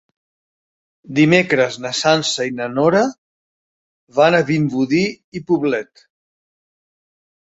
Dimecres na Sança i na Nora van a Vimbodí i Poblet.